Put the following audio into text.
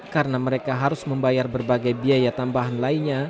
karena mereka harus membayar berbagai biaya tambahan lainnya